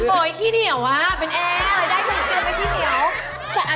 โอ้ยขี้เหนียววะเป็นแอ๊ก